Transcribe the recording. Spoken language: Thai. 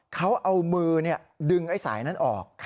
เขาเอามือดึงไอ้สายนั้นออก